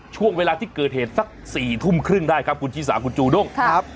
ช่วงเวลาที่เกิดเหตุสัก๔ทุ่มครึ่งได้ครับคุณชิสาคุณจูด้งครับ